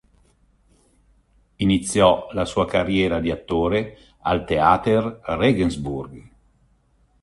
Iniziò la sua carriera di attore al Theater Regensburg.